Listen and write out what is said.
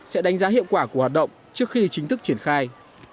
sẽ đánh giá hiệu quả của hoạt động trước khi chính thức triển khai